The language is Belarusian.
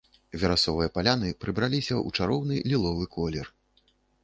Верасовыя паляны прыбраліся ў чароўны ліловы колер.